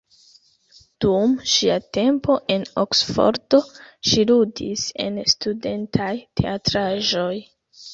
Dum ŝia tempo en Oksfordo, ŝi ludis en studentaj teatraĵoj.